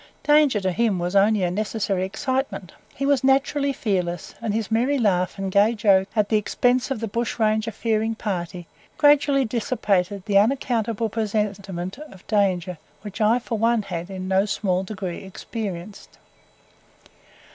Danger to him was only a necessary excitement. He was naturally fearless, and his merry laugh and gay joke at the expense of the bushranger fearing party gradually dissipated the unaccountable presentiment of danger which I for one had in no small degree experienced.